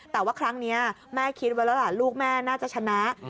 แต่ว่าครั้งนี้แม่คิดไว้แล้วล่ะลูกแม่น่าจะชนะ